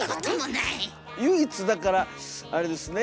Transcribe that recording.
唯一だからあれですね